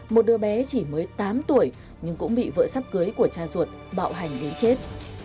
một đứa bé chỉ mới tám tuổi nhưng cũng bị vợ sắp cưới của cha ruột bạo hành ghé chết